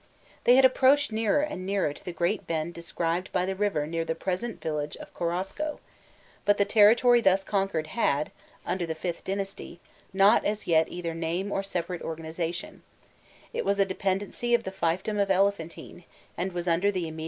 They had approached nearer and nearer to the great bend described by the river near the present village of Korosko,* but the territory thus conquered had, under the Vth dynasty, not as yet either name or separate organization: it was a dependency of the fiefdom of Elephantine, and was under the immediate authority of its princes.